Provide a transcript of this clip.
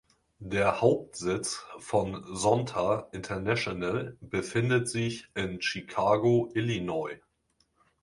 Der Hauptsitz von Zonta International befindet sich in Chicago, Illinois.